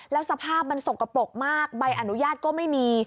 แล้วสภาพมันสกปรกมากใบอนุญาตก็ไม่มี